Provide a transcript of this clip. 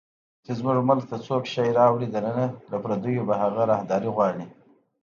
چې زموږ ملک ته څوک شی راوړي دننه، له پردیو به هغه راهداري غواړي